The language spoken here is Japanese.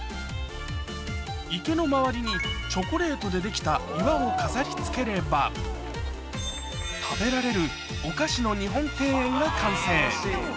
池の周りにチョコレートでできた岩を飾りつければ食べられるが完成